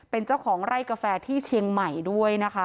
เป็นเจ้าของไร่กาแฟที่เชียงใหม่ด้วยนะคะ